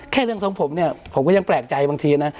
แค่เรื่องของผมเนี่ยผมก็ยังแปลกใจบางทีนะ